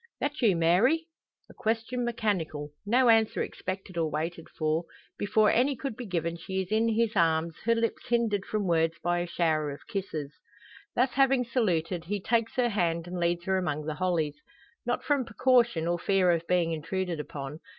"That you, Mary?" A question mechanical; no answer expected or waited for. Before any could be given she is in his arms, her lips hindered from words by a shower of kisses. Thus having saluted, he takes her hand and leads her among the hollies. Not from precaution, or fear of being intruded upon.